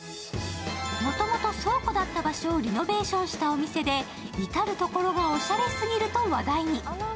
もともと倉庫だった場所をリノベーションしたお店で、至る所がおしゃれすぎると話題に。